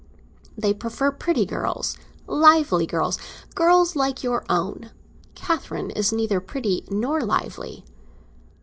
They prefer pretty girls—lively girls—girls like your own. Catherine is neither pretty nor lively."